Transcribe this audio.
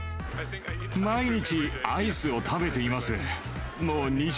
毎日アイスを食べています。